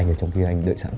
anh ở trong kia anh đợi sẵn